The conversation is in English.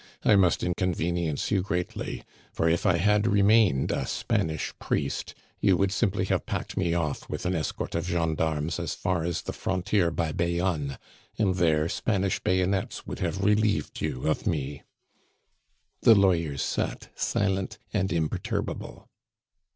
"I must inconvenience you greatly; for if I had remained a Spanish priest, you would simply have packed me off with an escort of gendarmes as far as the frontier by Bayonne, and there Spanish bayonets would have relieved you of me." The lawyers sat silent and imperturbable.